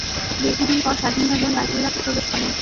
দীর্ঘদিন পর স্বাধীনভাবে বাইতুল্লাতে প্রবেশ করেন।